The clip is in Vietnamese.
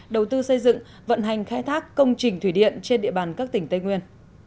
đầu tư xây dựng vận hành khai thác công trình thủy điện trên địa bàn các tỉnh tây nguyên